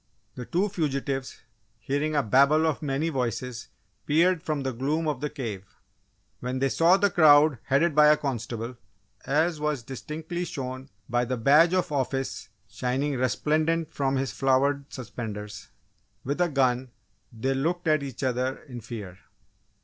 The two fugitives, hearing a babel of many voices, peered from the gloom of the cave. When they saw the crowd headed by a constable (as was distinctly shown by the badge of office shining resplendent from his flowered suspenders) with a gun, they looked at each other in fear.